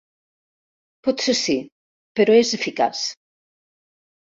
Potser sí, però és eficaç.